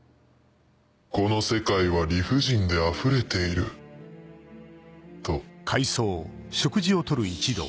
この世界は理不尽であふれていると。